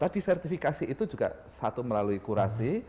jadi tadi sertifikasi itu juga satu melalui kurasi